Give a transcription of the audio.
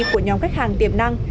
của nhóm khách hàng tiềm năng